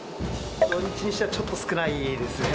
土日にしてはちょっと少ないですね。